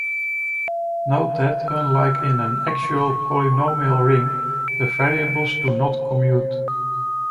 Note that unlike in an actual polynomial ring, the variables do not commute.